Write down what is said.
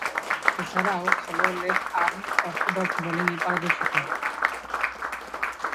এছাড়াও, slow left arm orthodox বোলিংয়ে পারদর্শী তিনি।